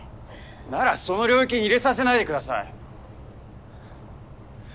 ならその領域に入れさせないで下さい。